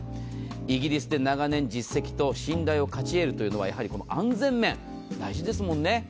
イギリスで長年実績と信頼をかち得るというのは、安全面は大事ですもんね。